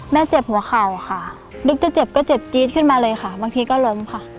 เจ็บหัวเข่าค่ะนึกจะเจ็บก็เจ็บจี๊ดขึ้นมาเลยค่ะบางทีก็ล้มค่ะ